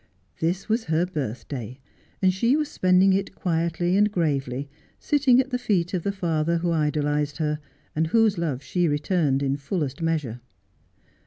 This was her birthday, and she was spending it quietly and gravely, sitting at the feet of the father who idolized her, and whose love she returned in fullest measure.